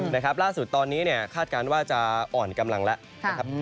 นะครับล่าสุดตอนนี้เนี่ยคาดการณ์ว่าจะอ่อนกำลังแล้ว